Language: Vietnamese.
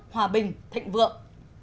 hòa bình thịnh vượng